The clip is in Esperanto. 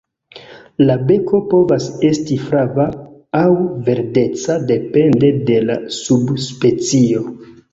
La beko povas esti flava aŭ verdeca depende de la subspecio.